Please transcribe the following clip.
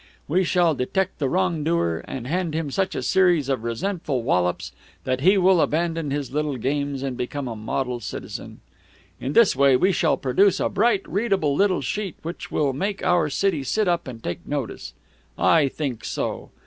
We shall detect the wrongdoer, and hand him such a series of resentful wallops that he will abandon his little games and become a model citizen. In this way we shall produce a bright, readable little sheet which will make our city sit up and take notice. I think so.